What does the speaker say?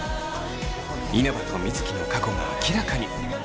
稲葉と水城の過去が明らかに。